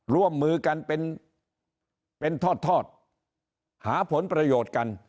ร่วมมือกันเป็นทอดหาผลประโยชน์กัน